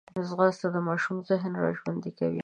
ځغاسته د ماشوم ذهن راژوندی کوي